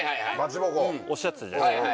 おっしゃってたじゃないですか。